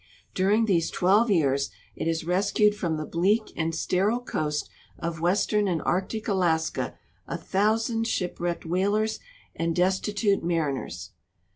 During these twelve years it has rescued from the l)leak and sterile coast of western and Arctic Alaska a thousand shipwrecked whalers and desti tute mariners.